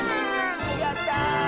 やった！